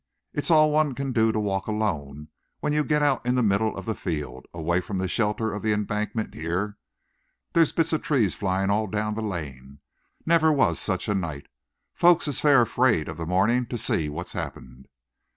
"It's all one can do to walk alone when you get out in the middle of the field, away from the shelter of the embankment here. There's bits of trees flying all down the lane. Never was such a night! Folks is fair afraid of the morning to see what's happened.